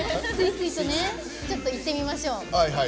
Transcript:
ちょっといってみましょう。